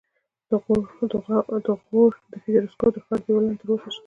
د غور د فیروزکوه د ښار دیوالونه تر اوسه شته